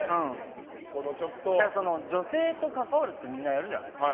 女性と関わるってみんなやるじゃないですか。